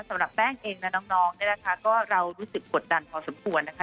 สำหรับแป้งเองและน้องเนี่ยนะคะก็เรารู้สึกกดดันพอสมควรนะคะ